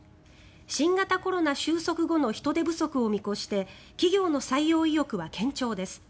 新型コロナ収束後の人手不足を見越して企業の採用意欲は堅調です。